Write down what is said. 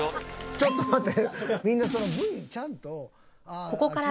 ちょっと待って。